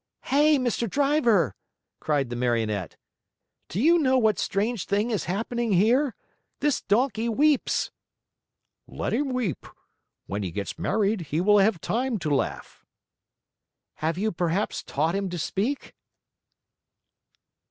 "Hey, Mr. Driver!" cried the Marionette. "Do you know what strange thing is happening here! This donkey weeps." "Let him weep. When he gets married, he will have time to laugh." "Have you perhaps taught him to speak?"